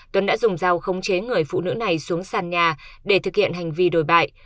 tuấn đã dùng dao khống chế người phụ nữ này xuống sàn nhà để thực hiện hành vi đồi bại